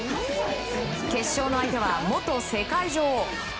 決勝の相手は元世界女王。